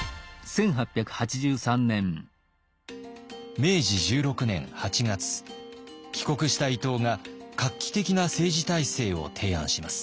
明治１６年８月帰国した伊藤が画期的な政治体制を提案します。